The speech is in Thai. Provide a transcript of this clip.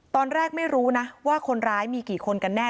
ตอนแรกไม่รู้นะว่าคนร้ายมีกี่คนกันแน่